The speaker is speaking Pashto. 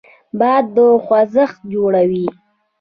باد خوځښت جوړوي.